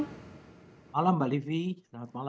selamat malam mbak livi selamat malam